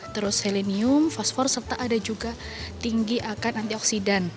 terus selenium fosfor serta ada juga tinggi akan antioksidan